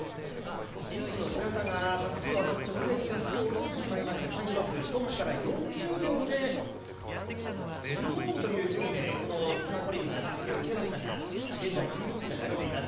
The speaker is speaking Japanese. １区の倉田がたすきを渡す直前にたすきを落としてしまいましてタイムロス、トップから４０秒で１４位という順位でビクター・コリルがたすきを受けましたが現在１１位まで上げています。